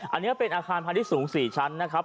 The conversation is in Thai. อันนี้เป็นอาคารพาณิชย์สูง๔ชั้นนะครับ